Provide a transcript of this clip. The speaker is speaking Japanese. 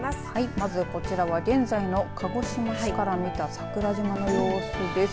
まず、こちらは現在の鹿児島市から見た桜島の様子です。